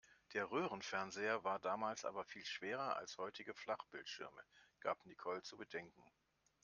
Der Röhrenfernseher war damals aber viel schwerer als heutige Flachbildschirme, gab Nicole zu bedenken.